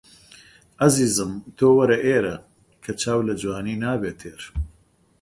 عەزیزم تۆ وەرە ئێرە کە چاو لە جوانی نابێ تێر